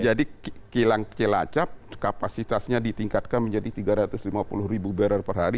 jadi kilang kilacap kapasitasnya ditingkatkan menjadi tiga ratus lima puluh ribu barrel per hari